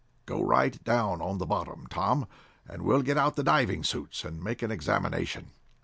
Go right down on the bottom, Tom, and we'll get out the diving suits and make an examination."